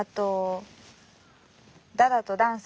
ダダとダンス。